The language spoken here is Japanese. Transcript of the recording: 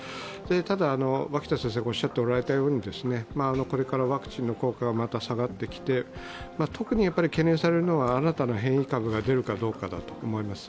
ただ、脇田先生がおっしゃっておられたように、これからまた下がってきて、特に懸念されるのは新たな変異株が出るかどうかだと思います。